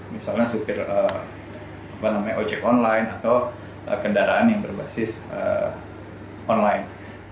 misalnya supir ojek online atau kendaraan yang berbasis online